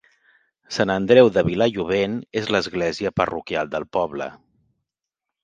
Sant Andreu de Vilallobent és l’església parroquial del poble.